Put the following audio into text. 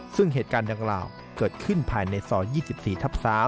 ซึ่งเหตุการณ์ดังกล่าวเกิดขึ้นภายในซอย๒๔ทับ๓